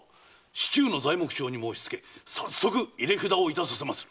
市中の材木商に申しつけ早速入札をいたさせます。